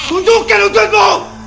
untuk yang untukmu